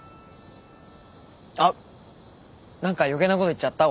あっ何か余計なこと言っちゃった？